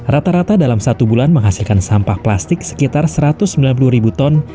rata rata dalam satu bulan menghasilkan sampah plastik sekitar satu ratus sembilan puluh ribu ton